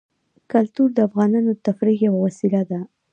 کلتور د افغانانو د تفریح یوه وسیله ده.